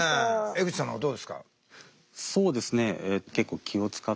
江口さんはどうですか？